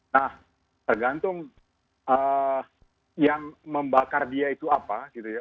nah tergantung yang membakar dia itu apa